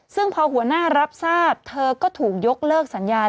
ซึ่งพอหัวหน้ารับทราบเธอก็ถูกยกเลิกสัญญา